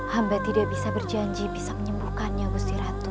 hamba tidak bisa berjanji bisa menyembuhkannya gusti ratu